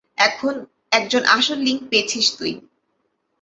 এখন, একজন আসল লিংক পেয়েছিস তুই।